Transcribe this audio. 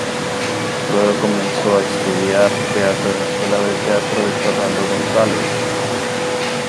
Luego, comenzó a estudiar teatro en la Escuela de Teatro de Fernando González.